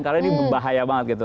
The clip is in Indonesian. karena ini bahaya banget gitu